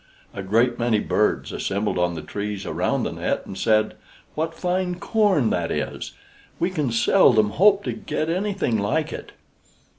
A great many birds assembled on the trees around the net, and said, "What fine corn that is! We can seldom hope to get anything like it."